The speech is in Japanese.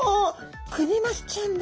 クニマスちゃんだ。